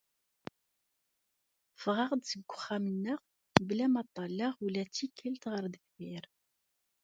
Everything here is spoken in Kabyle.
Ffɣeɣ-d seg uxxam-nneɣ mebla ma ṭalleɣ ula d tikkelt ɣer deffir.